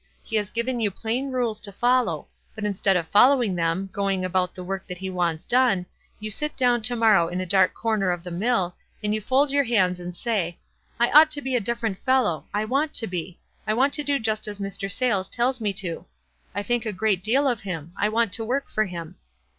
He has given you plain rules to fol low ; but instead of following them, going about the work that he wants done, you sit down to morrow in a dark corner of the mill, and you fold your hands and say, * I ought to be a dif ferent fellow. I want to be. I want to do just as Mr. Sayles tells us to. I think a great deal of him. I want to work for him.'